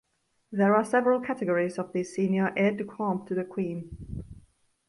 There are several categories of these senior "aides-de-camp" to the Queen.